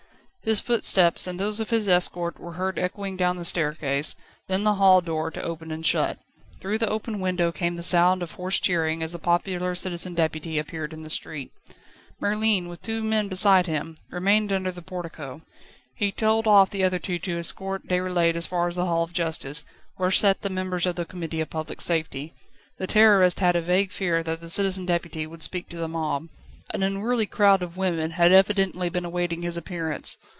His footsteps and those of his escort were heard echoing down the staircase, then the hall door to open and shut. Through the open window came the sound of hoarse cheering as the popular Citizen Deputy appeared in the street. Merlin, with two men beside him, remained under the portico; he told off the other two to escort Déroulède as far as the Hall of Justice, where sat the members of the Committee of Public Safety. The Terrorist had a vague fear that the Citizen Deputy would speak to the mob. An unruly crowd of women had evidently been awaiting his appearance.